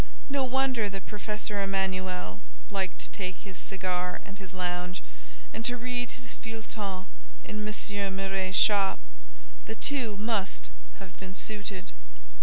No wonder that Professor Emanuel liked to take his cigar and his lounge, and to read his feuilleton in M. Miret's shop—the two must have suited.